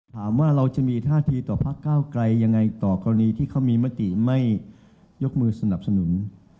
ถามว่าเราจะมีท่าทีต่อพักก้าวไกลยังไงต่อกรณีที่เขามีมติไม่ยกมือสนับสนุน